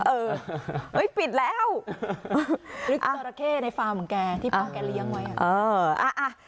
เออเอ้ยปิดแล้วในฟาร์มแมงแกที่พ่อแกเลี้ยงไว้เอออ่าอ่า